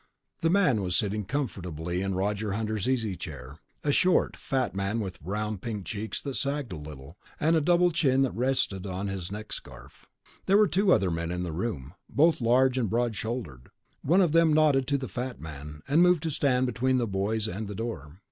The man was sitting comfortably in Roger Hunter's easy chair, a short, fat man with round pink cheeks that sagged a little and a double chin that rested on his neck scarf. There were two other men in the room, both large and broad shouldered; one of them nodded to the fat man, and moved to stand between the boys and the door.